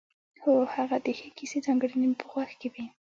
هو هغه د ښې کیسې ځانګړنې مې په غوږ کې وې.